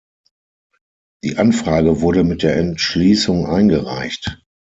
Die Anfrage wurde mit der Entschließung eingereicht.